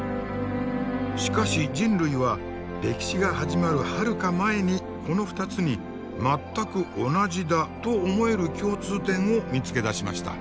しかし人類は歴史が始まるはるか前にこの２つに全く同じだと思える共通点を見つけ出しました。